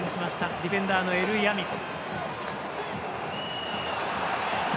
ディフェンダーのエルヤミク。